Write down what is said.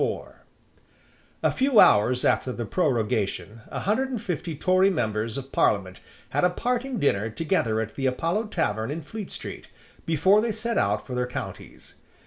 A few hours after the prorogation, a hundred and fifty Tory members of Parliament had a parting dinner together at the Apollo Tavern in Fleet Street, before they set out for their counties.